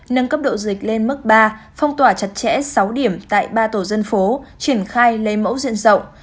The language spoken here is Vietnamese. nâng cấp độ dịch lên mức ba phong tỏa chặt chẽ sáu điểm tại ba tổ dân phố triển khai lấy mẫu diện rộng